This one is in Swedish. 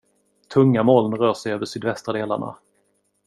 Tunga moln rör sig över sydvästra delarna.